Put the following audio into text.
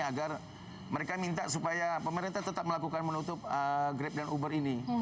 agar mereka minta supaya pemerintah tetap melakukan menutup grab dan uber ini